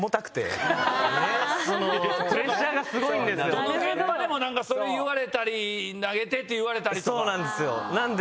どの現場でもそれ言われたり投げて！って言われたりとか。